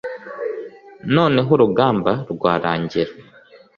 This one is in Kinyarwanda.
noneho urugamba rwarangira